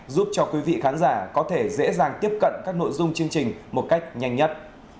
giúp cho quý vị khán giả có thể dễ dàng tiếp cận các nội dung chương trình một cách nhanh nhất